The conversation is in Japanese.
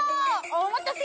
お待たせ！